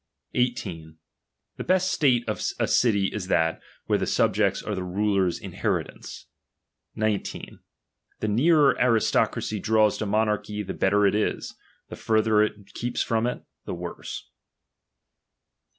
18. The best state of a city is that, where (he subjects are the ruler's inheritance. ] 9. The nearer aristocracy draws to monarchy, the better it is ; the further it keeps from it, the worse.